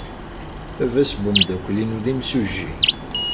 Baba-s n umeddakel-inu d imsujji.